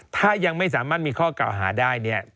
ถ้ายังไม่สามารถมีข้อกล่าวหาได้